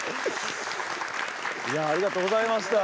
いやありがとうございました。